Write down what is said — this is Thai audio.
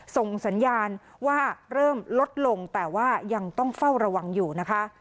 ส่งสัญญาณว่าเริ่มลดลงแต่ว่ายังต้องเฝ้าระวังอยู่นะคะ